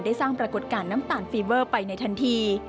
สร้างปรากฏการณ์น้ำตาลฟีเวอร์ไปในทันที